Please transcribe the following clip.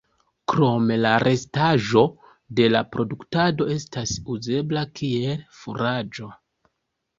Krome la restaĵo de la produktado estas uzebla kiel furaĝo.